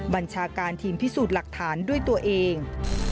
บัญชาการทีมพิสูจน์หลักฐานด้วยตัวเอง